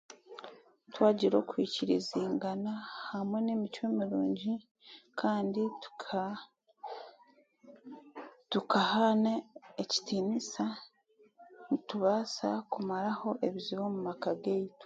Twagira okwikirizingana hamwe n'emicwe mirungi kandi tuka kukahane ekitiinisa nitubaasa kumaraho ebizibu omu maka gaitu